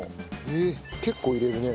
へえ結構入れるね。